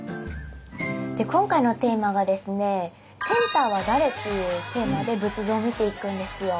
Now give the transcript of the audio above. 今回のテーマがですね「センターは誰？」っていうテーマで仏像を見ていくんですよ。